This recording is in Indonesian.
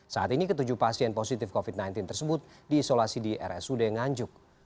saat ini ketujuh pasien positif covid sembilan belas tersebut diisolasi di rsud nganjuk